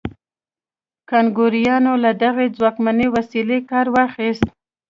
کانګویانو له دغې ځواکمنې وسیلې کار واخیست.